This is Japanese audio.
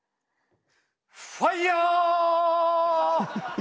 ファイヤー！